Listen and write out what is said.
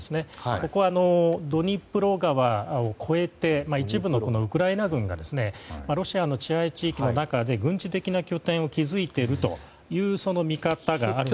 ここはドニプロ川を越えて一部のウクライナ軍がロシアの支配地域の中で軍事的拠点を築いているといわれています。